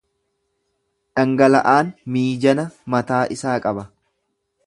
Dhangala’aan miijana mataa isaa qaba.